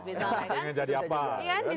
iya bisa jadi kan